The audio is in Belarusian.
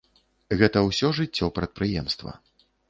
Гэта ўсё жыццё прадпрыемства.